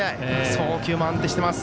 送球も安定しています。